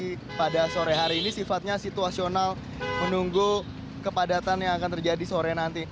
pada sore hari ini sifatnya situasional menunggu kepadatan yang akan terjadi sore nanti